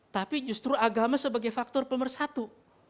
tapi justru agama sebagai faktor pemersatu